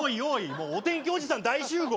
もうお天気おじさん大集合。